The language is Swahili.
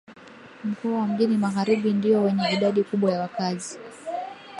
Mkoa wa mjini magharibi ndio wenye idadi kubwa ya wakazi